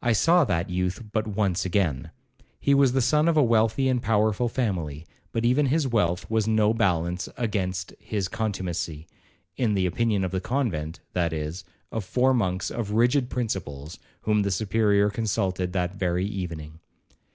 I saw that youth but once again. He was the son of a wealthy and powerful family, but even his wealth was no balance against his contumacy, in the opinion of the convent, that is, of four monks of rigid principles, whom the Superior consulted that very evening.